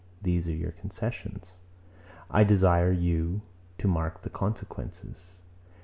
These are your concessions. I desire you to mark the consequences.